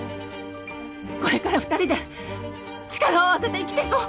これから２人で力を合わせて生きていこう。